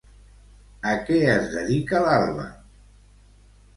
A què es dedica l'Alba?